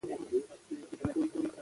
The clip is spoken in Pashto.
نو د دوائي پرېښودو سره به